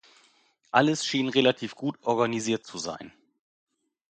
Alles schien relativ gut organisiert zu sein.